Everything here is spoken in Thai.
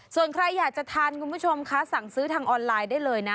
ส่วนใครอยากจะทานคุณผู้ชมคะสั่งซื้อทางออนไลน์ได้เลยนะ